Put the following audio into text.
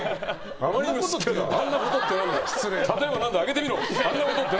例えば何だ、挙げてみろ！